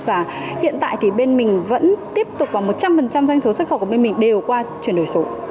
và hiện tại thì bên mình vẫn tiếp tục vào một trăm linh doanh số xuất khẩu của bên mình đều qua chuyển đổi số